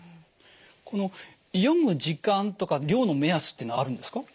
この読む時間とか量の目安ってのはあるんですか？